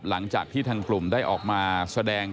หลังจากที่ทางกลุ่มได้ออกมาแสดง